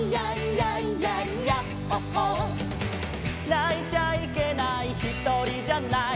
「泣いちゃいけないひとりじゃない」